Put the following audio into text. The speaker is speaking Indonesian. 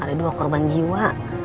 ada dua korban jiwa